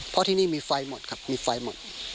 เพราะที่นี่มีไฟหมดครับมีไฟหมด